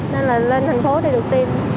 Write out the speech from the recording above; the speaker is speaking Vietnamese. nên là lên tp hcm để được tiêm